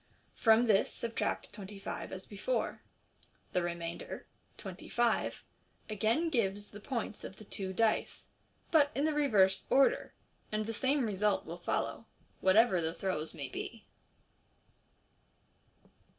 From this subtract twenty five as before. The remainder, twenty five, again gives the points of the two dice, but in the reverse order j and the tame result will follow, whatever the throws may be.